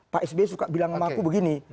pak s b suka bilang sama aku begini